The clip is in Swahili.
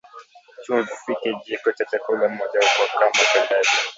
Chumvi Kijiko cha chakula moja au kwa kama upendavyo